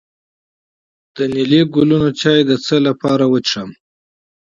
د اسطوخودوس چای د څه لپاره وڅښم؟